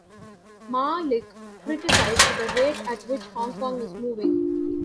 Ma Lik criticised the rate at which Hong Kong is moving.